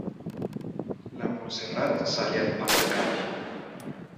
La Montserrat sale al pasacalle.